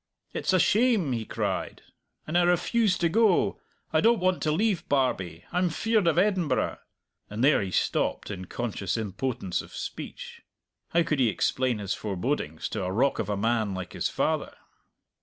"It's a shame!" he cried. "And I refuse to go. I don't want to leave Barbie! I'm feared of Edinburgh," and there he stopped in conscious impotence of speech. How could he explain his forebodings to a rock of a man like his father?